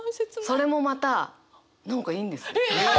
それもまた何かいいんですよ。